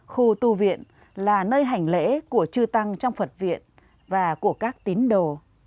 khu tu viện là nơi hành lễ của chư tăng trong phật viện và của các tín đồ